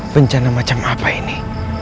bencana macam apa ini